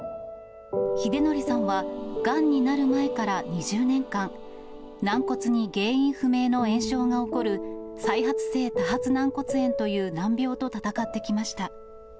秀典さんはがんになる前から２０年間、軟骨に原因不明の炎症が起こる、再発性多発軟骨炎という難病と闘ってきました。